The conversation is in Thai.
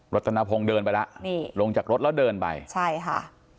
รัฐนพงศ์เดินไปแล้วนี่ลงจากรถแล้วเดินไปใช่ค่ะ